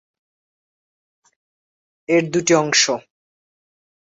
এর দুটি অংশ।